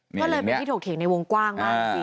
ก็เลยเป็นที่ถกเถียงในวงกว้างมากสิ